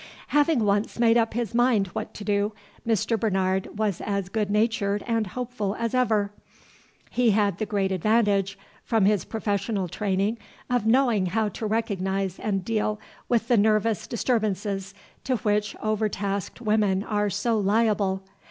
Having once made up his mind what to do, Mr. Bernard was as good natured and hopeful as ever. He had the great advantage, from his professional training, of knowing how to recognize and deal with the nervous disturbances to which overtasked women are so liable.